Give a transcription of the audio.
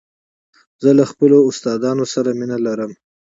زه له خپلو استادانو سره مینه لرم.